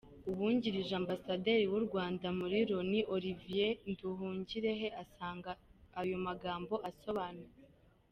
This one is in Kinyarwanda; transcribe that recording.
Uwungirije Ambasaderi w’u Rwanda muri Loni, Olivier Nduhungirehe asanga ayo magambo asonbanutse.